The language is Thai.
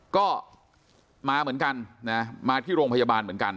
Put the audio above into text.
ก็มาเหมือนกันนะมาที่โรงพยาบาลเหมือนกัน